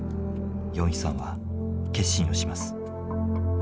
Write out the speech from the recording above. ヨンヒさんは決心をします。